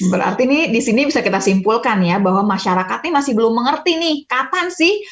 berarti ini di sini bisa kita simpulkan ya bahwa masyarakat ini masih belum mengerti nih kapan sih